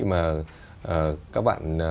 mà các bạn